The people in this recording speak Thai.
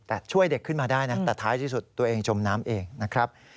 แต่ช่วยเด็กขึ้นมาได้นะแต่ท้ายที่สุดตัวเองจมน้ำเองนะครับ